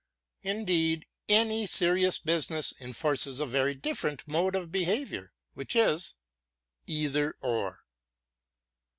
Indeed, any serious business enforces a very different mode of behavior which is: eitherŌĆö or.